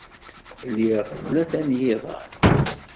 Liɣ tlata n yiḍan.